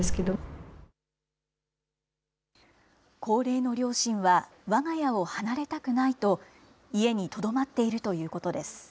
高齢の両親は、わが家を離れたくないと、家にとどまっているということです。